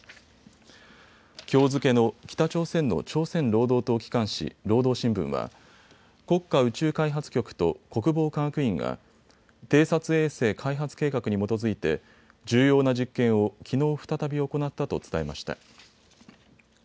きょう付けの北朝鮮の朝鮮労働党機関紙、労働新聞は国家宇宙開発局と国防科学院が偵察衛星開発計画に基づいて重要な実験をきのう再び行ったと伝えました。